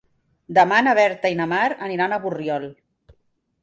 Demà na Berta i na Mar aniran a Borriol.